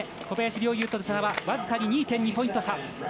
小林陵侑との差は僅かに２．２ポイント差。